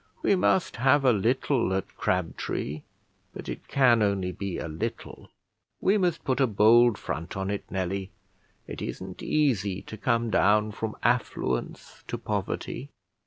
We must have a little at Crabtree, but it can only be a little; we must put a bold front on it, Nelly; it isn't easy to come down from affluence to poverty."